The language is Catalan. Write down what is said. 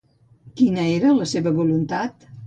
Quina era la seva voluntat?